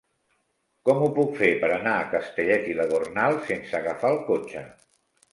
Com ho puc fer per anar a Castellet i la Gornal sense agafar el cotxe?